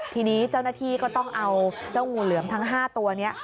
ทีนี้เจ้าหน้าที่ก็ต้องเอาเจ้างูเหลือมทั้ง๕ตัวนี้